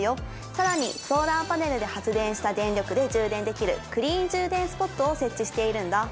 更にソーラーパネルで発電した電力で充電できるクリーン充電スポットを設置しているんだ